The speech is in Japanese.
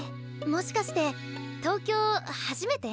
もしかして東京初めて？